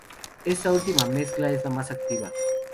Esta última mezcla es la más activa.